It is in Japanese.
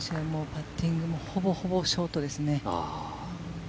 パッティングもほぼほぼショートですね。